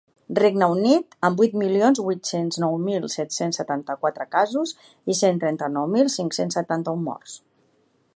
Regne Unit, amb vuit milions vuit-cents nou mil set-cents setanta-quatre casos i cent trenta-nou mil cinc-cents setanta-un morts.